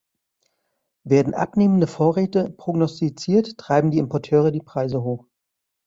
Werden abnehmende Vorräte prognostiziert, treiben die Importeure die Preise hoch.